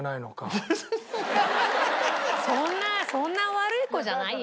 そんなそんな悪い子じゃないよ。